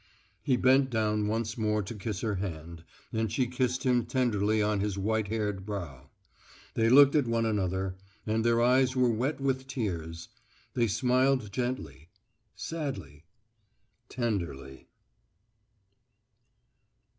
He bent down once more to kiss her hand, and she kissed him tenderly on his white haired brow. They looked at one another, and their eyes were wet with tears; they smiled gently, sadly, tenderly.